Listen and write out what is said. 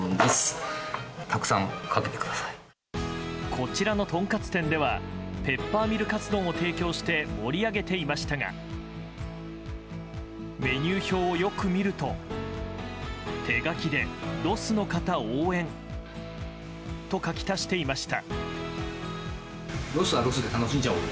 こちらのとんかつ店ではペッパーミル勝どんを提供して盛り上げていましたがメニュー表をよく見ると手書きで「ロスの方応援」と書き足していました。